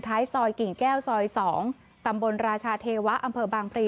ซอยกิ่งแก้วซอย๒ตำบลราชาเทวะอำเภอบางพลี